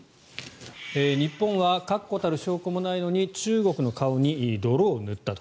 日本は確固たる証拠もないのに中国の顔に泥を塗ったと。